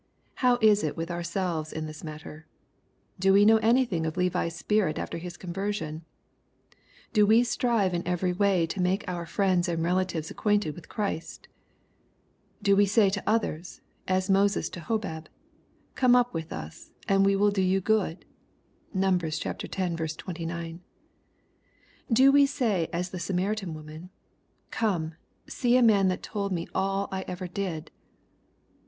How is it with ourselves in this matter ? Do we know anything of Levi's spirit after his conversion ? Do we strive in every way to make our friends and relatives acquainted with Christ ? Do we say to others, as Moses to Hobab, " Come with us, and we will do you good ?" (Num. X. 29.) Do we say as the Samaritan woman, ^^ Come, see a man that told me all that ever I did